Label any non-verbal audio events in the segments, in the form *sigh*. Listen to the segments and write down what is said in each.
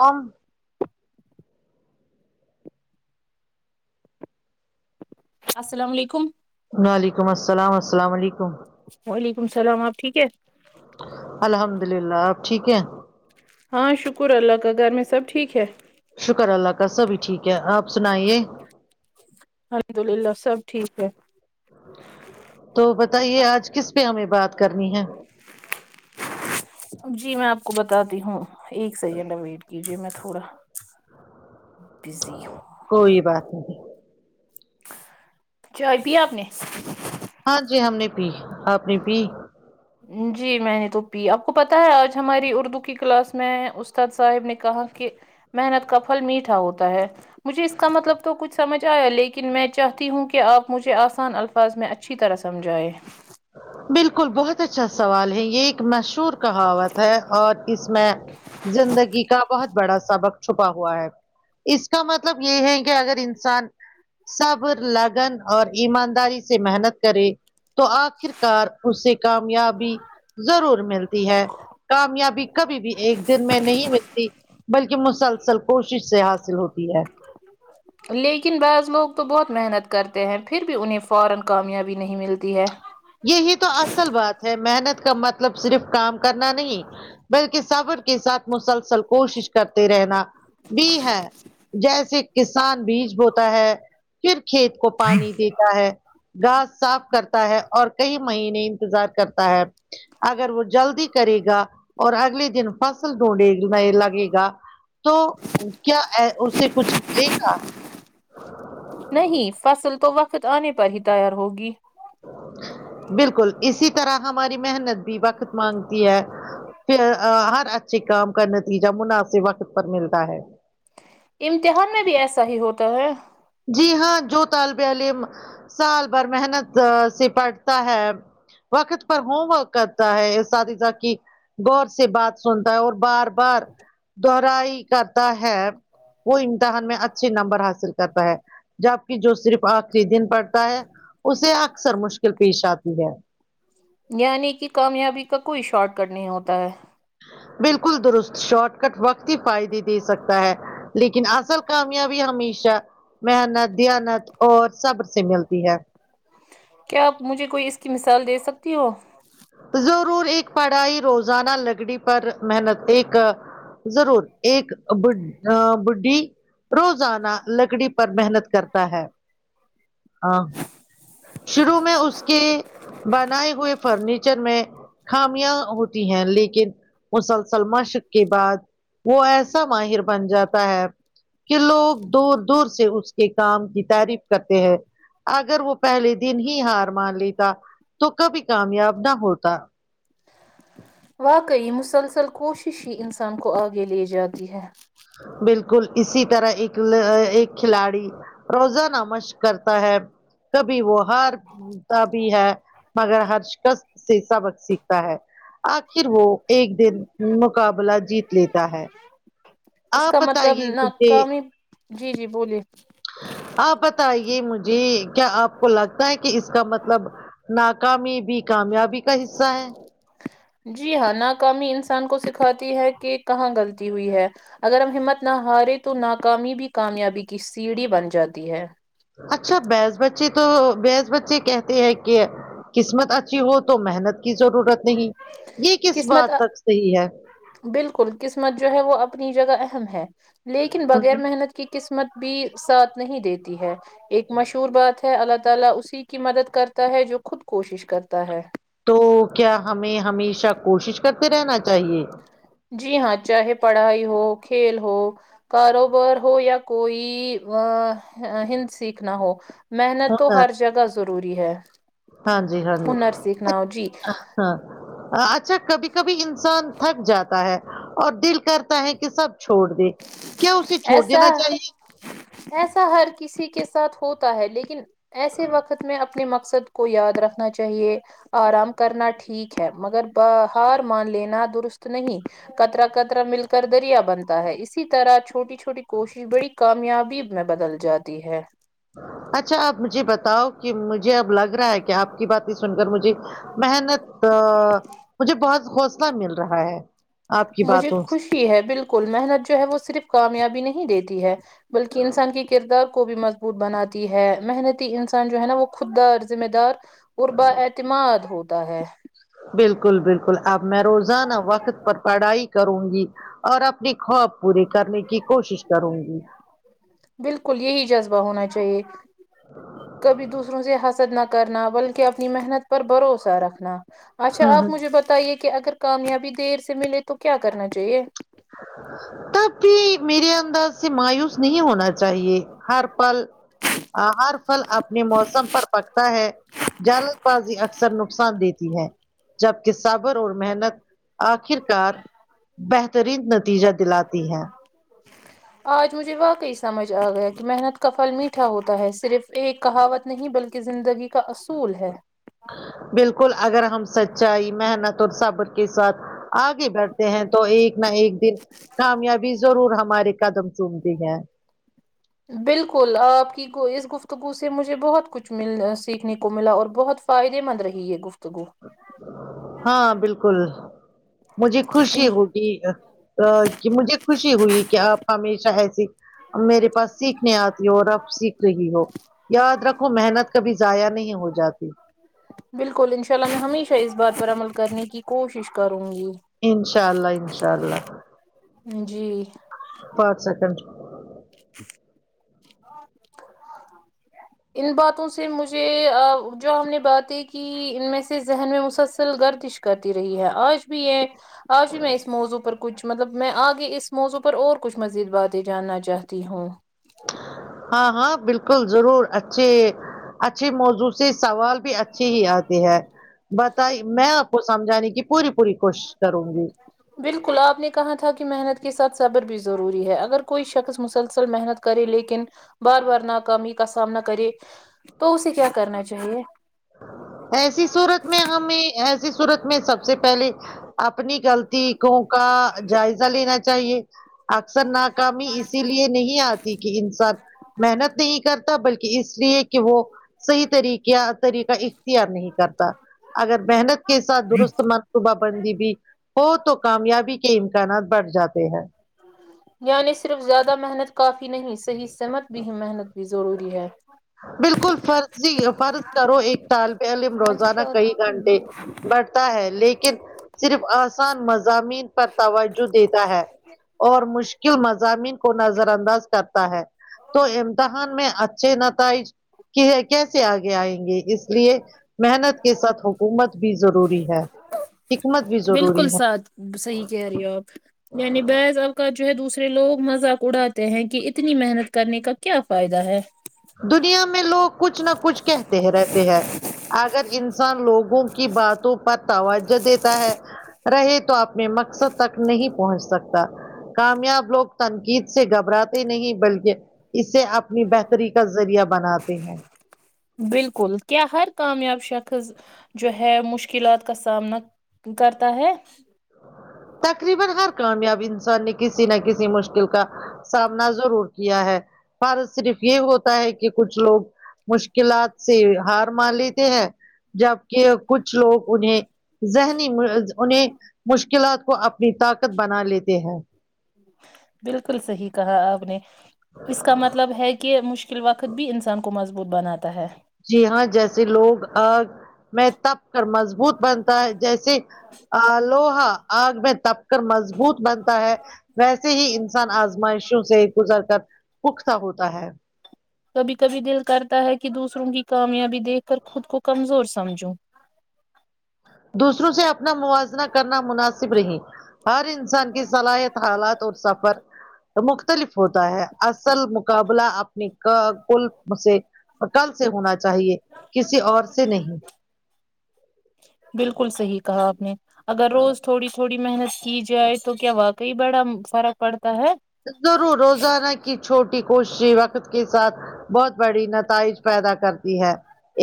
ام السلام علیکم وعلیکم السلام السلام علیکم وعلیکم سلام آپ ٹھیک ہے الحمد للہ آپ ٹھیک ہیں ہاں شکر اللہ کا گھر میں سب ٹھیک ہے شکر اللہ کا سبھی ٹھیک ہے آپ سنائیے الحمد للہ سب ٹھیک ہے تو بتائیے آج کس پہ ہمیں بات کرنی ہے جی میں آپ کو بتاتی ہوں ایک سیکنڈ ویٹ کیجے میں تھوڑا بزی ہوں کوئی بات نہیں چائے پیا آپ نے ہاں جی ہم نے پی آپ نے پی جی میں نے تو پی آپ کو پتہ ہے آج ہماری اردو کی کلاس میں اس تاد صاحب نے کہا کہ محنت کا پھل میٹھا ہوتا ہے مجھے اس کا مطلب تو کچھ سمجھ آیا لیکن میں چاہتی ہوں کہ آپ مجھے آسان الفاظ الفاظ میں اچھی طرح سمجھائے بالکل بہت اچھا سوال ہے یہ ایک مشور شہور کہاوت ہے اور اس میں زندگی کا بہت بڑا سبق چھپا ہوا ہے اس کا مطلب یہ ہے کہ اگر انسان صبر لگن اور ایمانداری سے محنت کرے تو آپ آخر کار اس سے کامیابی ضرور ملتی ہے کامیابی کبھی بھی ایک دن میں نہیں ملتی بلکہ مسلسل کوشش سے حاصل ہوتی ہے لیکن بعض لوگ تو بہت محنت کرتے ہیں پھر بھی انہیں فورا کامیابی نہیں ملتی ہے یہی تو اصل بات ہے محنت کا مطلب صرف کام کرنا نہیں بلکہ صبر کے ساتھ مسلسل کوشش کرتے رہنا بھی ہے جیسے کسان بیج بوتا ہے پھر کھیت کو پانی دیتا ہےگھاس صاف کرتا ہے اور کئی مہینے انتظار کرتا ہے اگر وہ جلدی کرے گا اور اگلے دن فصل ڈھونڈے لگے گا تو کیا آے اسے کچھ ملے گا نہیں فصل تو وقت آنے پر ہی تیار ہوگی بالکل اسی طرح ہماری محنت بھی وقت مانگتی ہے پھر ا ہر اچھے کام کا نتیجہ مناسب وقت پر ملتا ہے امتحان میں بھی ایسا ہی ہوتا ہے جی ہاں جو طالب علیلم سال بھر محنت سے پڑھتا ہے وقت پر ہوم ورک کرتا ہے اساتذہ کی غور سے بات سنتا ہے اور بار بار دہرائی کرتا ہے وہ امتحان میں اچھے نمبر حاصل کرتا ہے جبکے جو صرف آخری دن پڑتا ہے اسے اکثر مشکل پیش آتی ہے یعنی کہ کامیابی کا کوئی شارٹ کٹ نہیں ہوتا ہے بالکل درست شارٹ کٹ وقت کے فائدے دے سکتا ہے لیکن اصل کامیابی ہمیشہ محنت دانت اور سب سے ملتی ہے کیا آپ مجھے کوئی اس کی مثال دے سکتی ہو ضرور ایک پڑھائی روزانہ لگڑی پر محنت ایک ضرور ایک ب ا بڈھی روزانہ لکڑی پر محنت کرتا ہے ہاں شروع میں اس کے بنائے ہوئے فرنیچر میں خامیاں ہوتی ہیں لیکن مسلسل مشق کے بعد وہ ایسا ماہر بن جاتا ہے کہ لوگ دور دور سے اس کے کام کی تعریف کرتے ہیں اگر وہ پہلے دن ہی ہار مان لیتا تو کبھی کامیاب نہ ہوتا واقعی مسلسل کوشش ہی انسان کو آگے لے جاتی ہے بالکل اسی طرح ایک لا ایک کھلاڑی روزانہ مشق کرتا ہے کبھی وہ ہار کا بھی ہے مگر ہرشکش سے سبق سیکھتا ہے آخر وہ ایک دن مقابلہ جیت لیتا ہے اس آپ کا مطلب بتائیے مجھے ناکامی جی جی بولیے آپ بتائیے مجھے کیا آپ کو لگتا ہے کہ اس کا مطلب ناکامی بھی کامیابی کا حصہ ہے جی ہاں ناکامی انسان کو سکھاتی ہے کہ کہاں غلطی ہوئی ہے اگر ہمت نہ ہارے تو ناکامی بھی کامیابی کی سیڑھی بن جاتی ہے اچھا بیس بچی تو بیس بچی کہتے ہے کہ قسمت اچھی ہو تو محنت کی ضرورت نہیں یہ کس قسمت بات تک صحیح ہے بالکل قسمت جو ہے وہ اپنی جگہ اہم ہے لیکن بغیر ہوں محنت کی قسمت بھی ساتھ نہیں دیتی ہے ایک مشہور بات ہے اللہ تعالی اسی کی مدد کرتا ہے جو خود کوشش کرتا ہے تو کیا ہمیں ہمیشہ کوشش کرتے رہنا چاہیے جی ہاں چاہے پڑھائی ہو کھیل ہو کاروبار ہو یا کوئی وا ہند سیکھنا ہو محنت ہے تو نا ہر جگہ ضروری ہے ہاں جی ہاں جی ہنر سکھنا ہو جی اچھا، ہاں اچھا کبھی کبھی انسان تھک جاتا ہے اور دل کرتا ہے کہ سب چھوڑ دے کیا اسے چھوڑ ایسا دینا چاہیے ایسا ہر کسی کے ساتھ ہوتا ہے لیکن ایسے وقت میں اپنے مقصد کو یاد رکھنا چاہیے آرام کرنا ٹھیک ہے مگر ب ہار مان لینا درست نہیں کترا کترا مل کر دریا بنتا ہے اسی طرح چھوٹی چھوٹی کوشش بڑی کامیابی میں بدل جاتی ہے اچھا آپ مجھے بتاؤ کہ مجھے اب لگ رہا ہے کہ آپ کی باتیں سن کر مجھے محنت مجھے بہت حوصلہ مل رہا ہے آپ کی مجھے باتوں سے خوشی ہے بالکل محنت جو ہے وہ صرف کامیابی نہیں دیتی ہے بلکہ انسان کے کردار کو بھی مضبوط بناتی ہے محنتی انسان جو ہے نا وہ خود دار ذمہ دار تربا اعتماد ہوتا ہے بالکل بالکل اب میں روزانہ وقت پر پڑھائی کروں گی اور اپنی خواب پوری کرنے کی کوشش کروں گی بالکل یہی جذبہ ہونا چاہیے کبھی دوسروں سے حسد نہ کرنا بلکہ اپنی محنت پر بھروسہ رکھنا اچھا ہوں اب ہ مجھے بتائیے کہ اگر کامیابی دیر سے ملے تو کیا کرنا چاہیے تب بھی میرے انداز سے مایوس نہیں ہونا چاہیے ہر پل ہر پھل اپنے موسم پر پکتا ہے جلد بازی اکثر نقصان دیتی ہے جب کے سب اور محنت آخر کار بہترین نتیجہ دلاتی ہے آج مجھے واقعی سمجھ آ گیا کہ محنت کا پھل میٹھا ہوتا ہے صرف ایک کہاوت نہیں بلکہ زندگی کا اصول ہے بالکل اگر ہم سچائی محنت اور صبر کے ساتھ آگے بڑھتے ہیں تو ایک نہ ایک دن کامیابی ضرور ہمارے قدم چومتی ہے بالکل آپ کی اس گفتگو سے مجھے بہت کچھ مل سیکھنے کو ملا اور بہت فائدے مند رہی ہے گفتگو ہاں بالکل مجھے خوشی ہوئی کہ آ کی مجھے خوشی ہوئی کہ آپ ہمیشہ ایسی میرے پاس سیکھنے آتی ہو اب سیکھ رہی ہو یاد رکھو محنت کبھی ضائع نہیں ہو جاتا بالکل انشاء اللہ میں ہمیشہ اس بات پر عمل کرنے کی کوشش کروں گی انشاء اللہ انشاء اللہ جی پانچ سیکنڈ ان باتوں سے مجھے آ جو ہم نے باتیں کہ ان میں سے ذہن میں مسلسل گردش کرتی رہی ہے آج بھی یہ آج بھی میں اس موضوع پر کچھ مطلب میں آگے اس موضوع پر اور کچھ مزید باتیں جاننا چاہتی ہوں ہاں ہاں بالکل ضرور اچھے اچھے موضوع سے سوال بھی اچھی ہی آتی ہے بتائی میں آپ کو سمجھانے کی پوری پوری کوشش کروں گی بالکل آپ نے کہا تھا کہ محنت کے ساتھ صبر بھی ضروری ہے اگر کوئی شخص مسلسل محنت کرے لیکن بار بار ناکامی کا سامنا کرے تو اسے کیا کرنا چاہیے ایسی صورت میں ہمیں ایسی صورت میں سب سے پہلے اپنی غلطی ستیکوں کا جائزہ لینا چاہیے اکثر ناکامی اسی لیے نہیں آتی کہ انسان محنت نہیں کرتا بلکہ کی اس لیے کہ وہ صحیح طریقا کا اختیار نہیں کرتا اگر محنت کے ساتھ درست منصوبہ بندی بھی ہو تو کامیابی کے امکانات بڑھ جاتے ہیں یعنی صرف زیادہ محنت کافی نہیں صحیح سحمت بھی ہے محنت روری ہے بالکل فرضی فرض کرو ایک طالب علم روزانہ کئی انتشار گھنٹے ہے لیکن صرف آسان مضامین پر توجہ دیتا ہے اور مشکل مضامین کو نظر انداز کرتا ہے تو امتحان میں اچھے نتائج کی کیسے آگے آئیں گے اس لیے محنت کے ساتھ حکومت بھی ضروری ہے حکمت بھی ضروری بالکل ہے ساتھ صحیح کہہ رہی ہو آپ یعنی بیض اب کا جو ہے دوسرے لوگ مذاق اڑاتے ہیں کہ اتنی محنت کرنے کا کیا فائدہ ہے دنیا میں لوگ کچھ نہ کچھ کہتے ہیں رہتے ہیں اگر انسان لوگوں کی باتوں پر توجہ دیتا ہے رہے تو آپنے مقصد تک نہیں پہنچ سکتا کامیاب لوگ تنقید سے گھبراتے نہیں بلکہ اس سے اپنے طریقہ کا ذریعہ بناتے ہیں بالکل کیا ہر کامیاب شخص جو ہے مشکلات کا سامنا کرتا ہے تقریبا ہر کامیاب انسان نے کسی نہ کسی مشکل کا سامنا ضرور کیا ہے پر صرف یہ ہوتا ہے کہ کچھ لوگ مشکلات سے ہار مان لیتے ہیں جبکہ کچھ لوگ انہیں ذہنی انہیں مشکلات کو اپنی طاقت بنا لیتے ہیں بالکل صحیح کہا آپ نے اس کا مطلب ہے کہ مشکل وقت بھی انسان کو مضبوط بناتا ہے جی ہاں جیسے لوگ میں تپ کر مضبوط بنتا ہے جیسے آ لوہا آگ میں تپ کر مضبوط بنتا ہے ویسے ہی انسان آزمائشوں سے گزر کر پوقت سا ہوتا ہے کبھی کبھی دل کرتا ہے کہ دوسروں کی کامیابی دیکھ کر خود کو کمزور سمجھو دوسروں سے اپنا موازنہ کرنا مناسب نہیں ہر انسان کی صلاحیت حالات اور سفر مختلف ہوتا ہے اصل مقابلہ اپنی کل کل سے عقل سے ہونا چاہیے کسی اور سے نہیں بالکل صحیح کہا آپ نے اگر روز تھوڑی تھوڑی محنت کی جائے تو کیا واقعی بڑا فرق پڑتا ہے ضرور روزانہ کی چھوٹی کوشش وقت کے ساتھ بہت بڑی نتائج پیدا کرتی ہے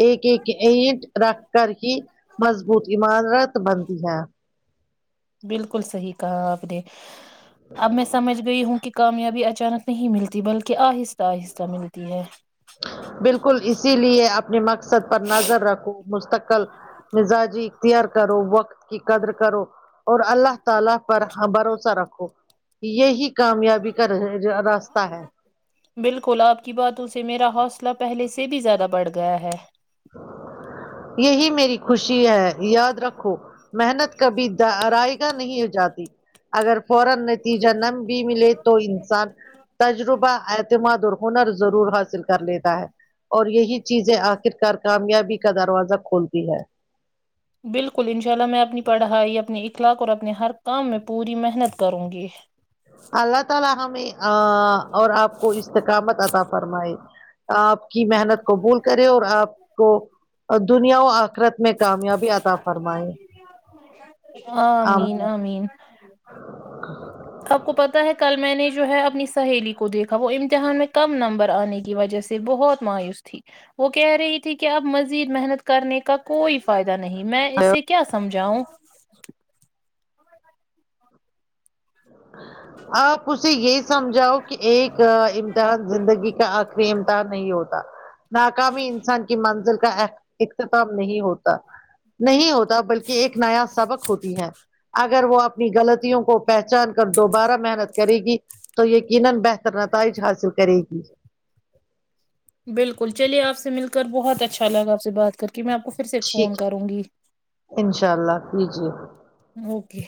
ایک ایک اٹ رکھ کر ہی مضبوط عمارت بنتی ہے بالکل صحیح کہا آپ نے اب میں سمجھ گئی ہوں کہ کامیابی اچانک نہیں ملتی بلکہ آہستہ آہستہ ملتی ہے بالکل اسی لیے اپنے مقصد پر نظر رکھو مستقل مزاجی اختیار کرو وقت کی قدر کرو اور اللہ تعالی پر بھروسہ رکھو یہی کامیابی کا ر راستہ ہے بالکل آپ کی باتوں سے میرا حوصلہ پہلے سے بھی زیادہ بڑھ گیا ہے یہی میری خوشی ہے یاد رکھو محنت کبھی دا رائے گا نہیں ہو جاتی اگر فورا نتیجہ نم بھی ملے تو سات تجربہ اعتماد اور ہنر ضرور حاصل کر لیتا ہے اور یہی چیزیں آخرکار کامیابی کا دروازہ کھلتی ہے بالکل انشاء اللہ میں اپنی پڑھائی اپنے اخلاق اور اپنے ہر کام میں پوری محنت کروں گی اللہ تعالی ہمیں ا اور آپ کو استقامت عطا فرمائے آپ کی محنت قبول کرے اور آپ کو دنیا و آخرت میں کامیابی عطا فرمائے آمین آمین *inaudible* آپ کو پتاہ ہے کل میں نے جو ہے اپنی سہیلی کو دیکھا وہ امتحان میں کم نمبر آنے کی وجہ سے بہت مایوس تھی وہ کہہ رہی تھی کہ اب مزید محنت کرنے کا کوئی فائدہ نہیں میں اسے کیا سمجھاؤں *inaudible* آپ اسے یہ سمجھاؤ کہ ایک امتحان زندگی کا آخری امتحان نہیں ہوتا ناکامی انسان کی منزل کا اختتام نہیں ہوتا نہیں ہوتا بلکہ ایک نیا سبق ہوتی ہے اگر وہ اپنی غلطوں کو پہچ چان کر دوبارہ محنت کرے گی تو یقینا بہتر نتائج حاصل کرے گی بالکل چلیے آپ سے مل کر بہت اچھا لگا آپ سے بات کرکے میں آپ کو پھر سے ٹھیک فون کروں گی انشاء اللہ کیجیے اوکے